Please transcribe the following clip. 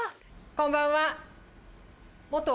こんばんは。